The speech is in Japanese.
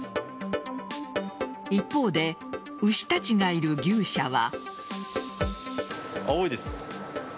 一方で牛たちがいる牛舎は。